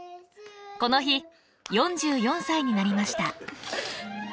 この日４４歳になりました。